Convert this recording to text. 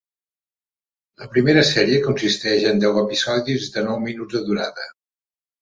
La primera sèrie consisteix en deu episodis de nou minuts de durada.